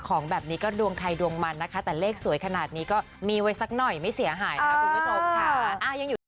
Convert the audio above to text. ของแบบนี้ก็ดวงใครดวงมันนะคะแต่เลขสวยขนาดนี้ก็มีไว้สักหน่อยไม่เสียหายนะคะคุณผู้ชมค่ะยังอยู่ที่